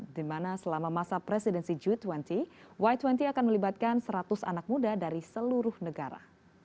di mana selama masa presidensi g dua puluh y dua puluh akan melibatkan seratus anak muda dari seluruh negara